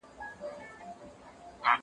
کېدای سي خبري اوږدې سي.